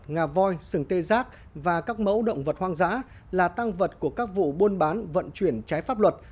ngà voi sừng tê giác và các mẫu động vật hoang dã là tăng vật của các vụ buôn bán vận chuyển trái pháp luật